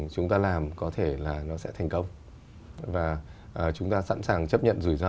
chúng ta làm thế nào để thâm nhập